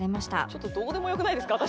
「ちょっとどうでもよくないですか？